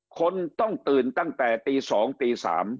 คนต้องตื่นตั้งแต่ตี๒ตี๓